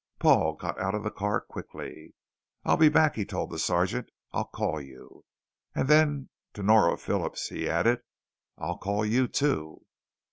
Paul got out of the car quickly. "I'll be back," he told the sergeant. "I'll call you." And then to Nora Phillips he added, "I'll call you, too."